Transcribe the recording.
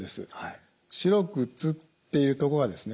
白く映っているところがですね